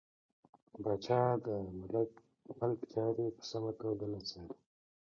پاچا د ملک چارې په سمه توګه نه څاري .